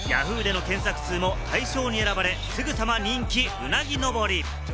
さらにＹａｈｏｏ！での検索数も大賞に選ばれ、すぐさま人気、うなぎのぼり。